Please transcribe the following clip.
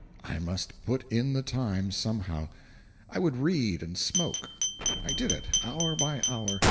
I must put in the time somehow. I would read and smoke. I did it; hour by hour.